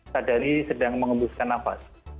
sadari sedang mengembuskan nafas